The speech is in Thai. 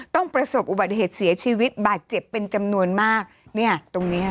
ประสบอุบัติเหตุเสียชีวิตบาดเจ็บเป็นจำนวนมากเนี่ยตรงเนี้ย